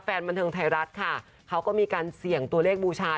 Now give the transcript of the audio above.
แฟนบันเทิงไทยรัฐค่ะเขาก็มีการเสี่ยงตัวเลขบูชา